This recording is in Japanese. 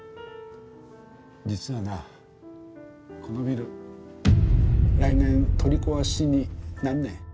実はなこのビル来年取り壊しになんねん。